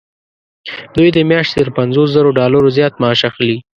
دوی د میاشتې تر پنځوس زرو ډالرو زیات معاش اخلي.